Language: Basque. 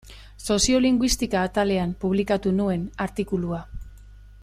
Soziolinguistika atalean publikatu nuen artikulua.